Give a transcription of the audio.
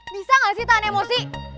bisa nggak sih tahan emosi